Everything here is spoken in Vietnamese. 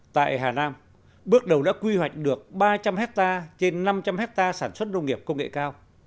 tại hà nam bước đầu đã quy hoạch được ba trăm linh hectare trên năm trăm linh hectare sản xuất nông nghiệp công nghệ cao